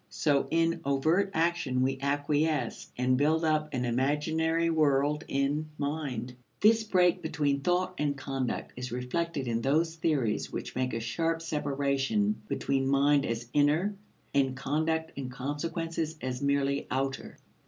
So in overt action we acquiesce, and build up an imaginary world in, mind. This break between thought and conduct is reflected in those theories which make a sharp separation between mind as inner and conduct and consequences as merely outer.